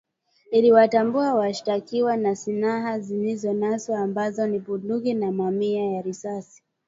iliwatambua washtakiwa na silaha zilizonaswa ambazo ni bunduki na mamia ya risasi